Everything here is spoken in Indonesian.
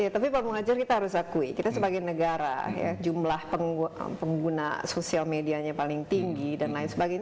tapi pak muhajir kita harus akui kita sebagai negara ya jumlah pengguna sosial medianya paling tinggi dan lain sebagainya